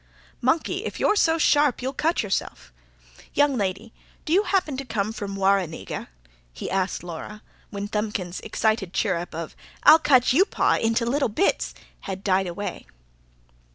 "Monkey, if you're so sharp you'll cut yourself! Young lady, do you happen to come from Warrenega?" he asked Laura, when Thumbkin's excited chirrup of: "I'll cut YOU, pa, into little bits!" had died away.